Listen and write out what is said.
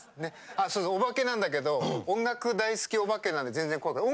そうおばけなんだけど音楽大好きおばけなんで全然怖くない。